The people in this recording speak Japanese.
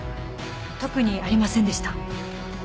特にありませんでした。